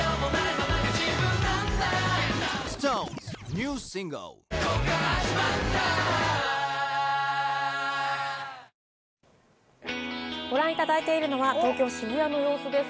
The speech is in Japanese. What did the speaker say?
ニトリご覧いただいているのは東京・渋谷の様子です。